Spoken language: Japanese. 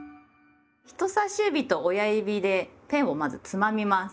人さし指と親指でペンをまずつまみます。